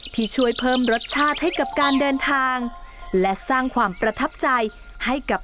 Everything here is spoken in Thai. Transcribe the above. ที่ช่วยเพิ่มรสชาติให้กับการเดินทางและสร้างความประทับใจให้กับ